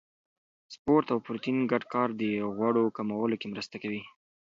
سپورت او پروتین ګډ کار د غوړو کمولو کې مرسته کوي.